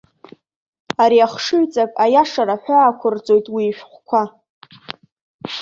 Ари ахшыҩҵак аиашара ҳәаақәырҵоит уи ишәҟәқәа.